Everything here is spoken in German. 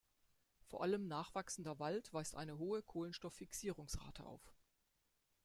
Vor allem nachwachsender Wald weist eine hohe Kohlenstoff-Fixierungsrate auf.